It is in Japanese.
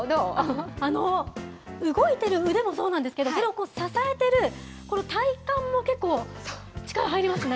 動いてる腕もそうなんですけど、それを支えてるこの体幹も結構力入りますね。